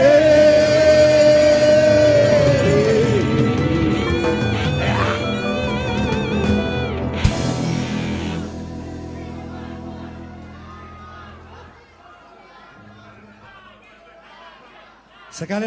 bapak pak basuki asik